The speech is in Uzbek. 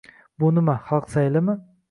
Bu nima — xalq saylimi?